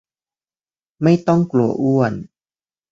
ไม่ต้องกลัวอ้วน